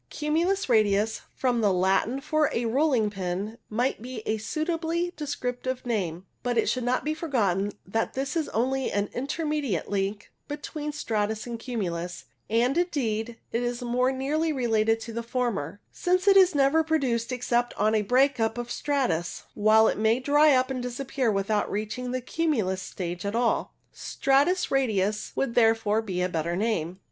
Cumulus radius, from the Latin for a rolling pin, might be a suitably descriptive name, but it should not be forgotten that it is only an intermediate link between stratus and cumulus, and, indeed, is more nearly related to the former, since it is never produced except on the break up of stratus, while it may dry up and disappear with out reaching the cumulus stage at all. Stratus radius would therefore be a better name.